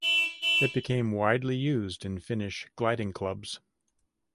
It became widely used in Finnish gliding clubs.